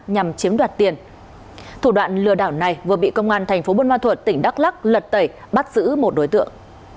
nhằm chiếm đoạt tiền thủ đoạn lừa đảo này vừa bị công an tp buôn ma thuột tỉnh đắk lắc lật tẩy bắt giữ một đối tượng